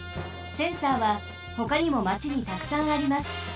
センサーはほかにもまちにたくさんあります。